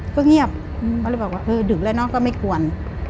ก็เงียบเพราะเลยบอกว่าเออดึกแล้วน้องก็ไม่กวน